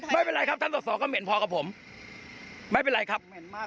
ไม่ต้องเลือกหรอกเขาไม่อยากให้เลือก